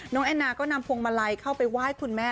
แอนนาก็นำพวงมาลัยเข้าไปไหว้คุณแม่